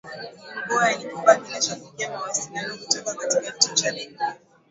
rungoya ni kifaa kinachopokea mawasiliano kutoka katika kituo cha redio